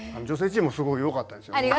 女性チームもすごいよかったですよ。